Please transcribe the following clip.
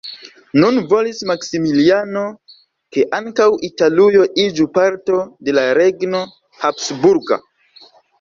Nun volis Maksimiliano ke ankaŭ Italujo iĝu parto de la regno habsburga.